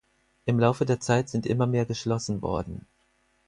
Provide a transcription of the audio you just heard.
Im Laufe der Zeit sind immer mehr geschlossen worden.